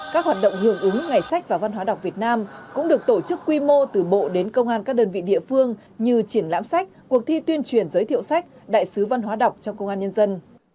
các hoạt động hưởng ứng ngày sách và văn hóa đọc việt nam cũng được tổ chức quy mô từ bộ đến công an các đơn vị địa phương như triển lãm sách cuộc thi tuyên truyền giới thiệu sách đại sứ văn hóa đọc trong công an nhân dân